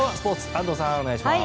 安藤さん、お願いします。